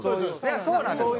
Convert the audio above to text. そうなんですよ。